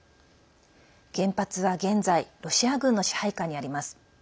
原発は現在ロシア軍の支配下にあります。